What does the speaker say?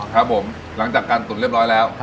ครับผมหลังจากการตุ๋นเรียบร้อยแล้ว